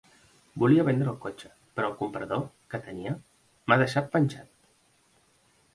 Volia vendre el cotxe, però el comprador que tenia m'ha deixat penjat.